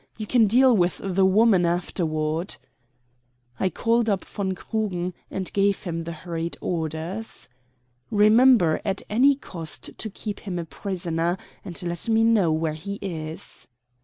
You can deal with the woman afterward." I called up von Krugen, and gave him the hurried orders. "Remember at any cost to keep him a prisoner, and let me know where he is."